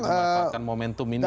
memang apakah momentum ini